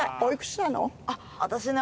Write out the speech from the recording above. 私ね